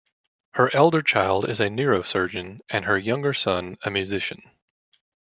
Her elder child is a neurosurgeon and her younger son a musician.